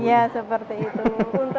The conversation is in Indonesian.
iya seperti itu